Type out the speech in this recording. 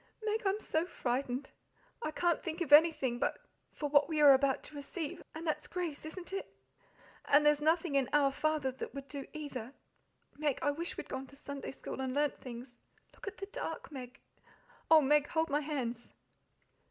"Meg, I'm so frightened! I can't think of anything but `For what we are about to receive,' and that's grace, isn't it? And there's nothing in Our Father that would do either. Meg, I wish we'd gone to Sunday school and learnt things. Look at the dark, Meg! Oh, Meg, hold my hands!"